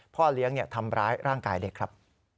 พ่อเลี้ยงทำร้ายร่างกายเด็กครับ